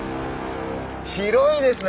広いですね！